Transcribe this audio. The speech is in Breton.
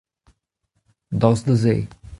Daoust da se.